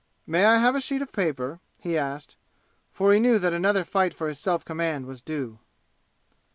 "May I have a sheet of paper?" he asked, for he knew that another fight for his self command was due.